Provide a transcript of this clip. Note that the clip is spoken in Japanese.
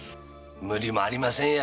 無理もありませんや。